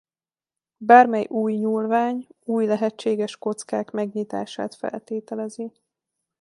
Bármely új nyúlvány új lehetséges kockák megnyitását feltételezi.